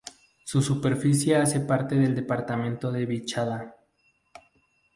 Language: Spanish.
Su superficie hace parte del departamento de Vichada.